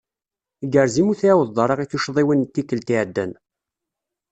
Igerrez imi ur tɛiwdeḍ ara i tucḍiwin n tikelt iɛeddan.